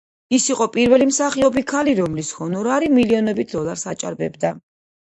ის იყო პირველი მსახიობი ქალი, რომლის ჰონორარი მილიონობით დოლარს აჭარბებდა.